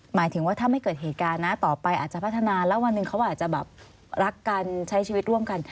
หมายถึงว่าถ้าไม่เกิดเหตุการณ์นะต่อไปอาจจะพัฒนาแล้ววันหนึ่งเขาอาจจะแบบรักกันใช้ชีวิตร่วมกัน